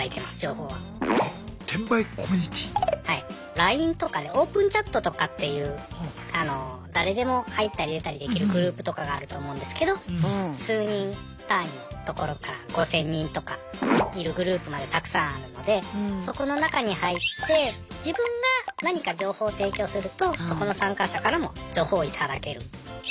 ＬＩＮＥとかでオープンチャットとかっていう誰でも入ったり出たりできるグループとかがあると思うんですけど数人単位のところから５，０００人とかいるグループまでたくさんあるのでそこの中に入って自分が何か情報を提供するとそこの参加者からも情報を頂ける。